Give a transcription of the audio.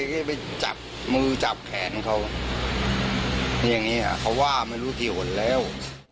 ก็ไปจับมือจับแขนเขาอย่างนี้เขาว่าไม่รู้กี่หนแล้ว